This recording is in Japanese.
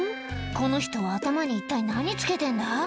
この人は頭に一体何着けてんだ？